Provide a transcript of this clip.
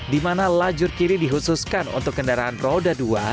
dimana lajur kiri dihususkan untuk kendaraan roda dua